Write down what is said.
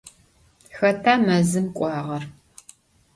Xeta mezım k'uağer?